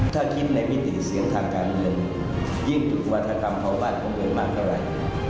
ถ้าคิดในมิติเสียงทางการเลือนยิ่งถูกวัฒนธรรมเผาบาทของเรียนมากเท่าไร